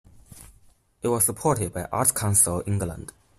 It was supported by Arts Council England.